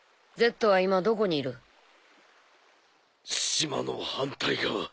島の反対側。